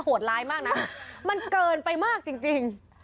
โหดร้ายมากนะมันเกินไปมากจริง